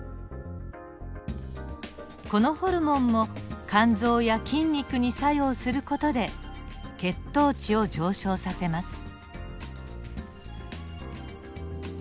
このホルモンも肝臓や筋肉に作用する事で血糖値を上昇させます。